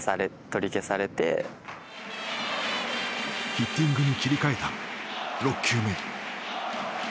ヒッティングに切り替えた６球目。